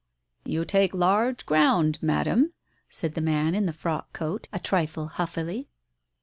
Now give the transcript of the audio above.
"You take large ground, Madam," said the man in the frock coat, a trifle huffily.